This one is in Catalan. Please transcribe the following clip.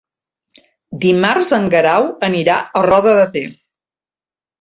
Dimarts en Guerau anirà a Roda de Ter.